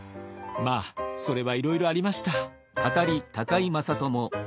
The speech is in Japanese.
まあそれはいろいろありました。